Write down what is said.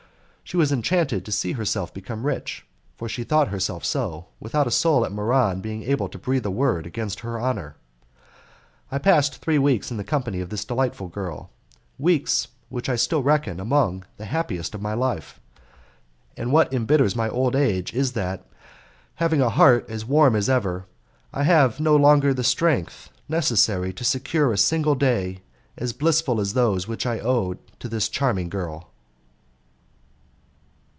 She was enchanted to see herself become rich (for she thought herself so) without a soul at Muran being able to breathe a word against her honour. I passed three weeks in the company of this delightful girl weeks which I still reckon among the happiest of my life; and what embitters my old age is that, having a heart as warm as ever, I have no longer the strength necessary to secure a single day as blissful as those which I owed to this charming girl.